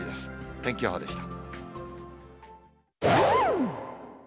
天気予報でした。